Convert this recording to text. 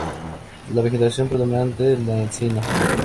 La vegetación predominante es la encina.